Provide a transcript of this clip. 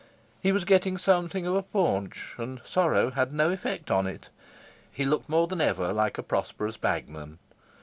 He was getting something of a paunch, and sorrow had no effect on it. He looked more than ever like a prosperous bagman.